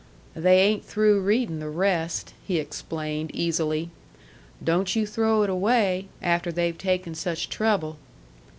"They ain't through readin' the rest," he explained easily. "Don't you throw it away! After they've taken such trouble."